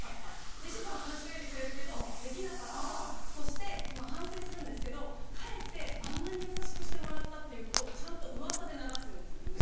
ジェシーさんは話し掛けてくれるけどできなかったとしてまぁ反省するんですけどかえってあんなに優しくしてもらったっていうことをちゃんとうわさで流すようにするんです。